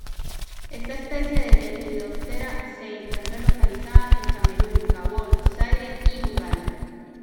Esta especie de Lepidoptera se encuentra localizada en Camerún, Gabón, Zaire y Uganda.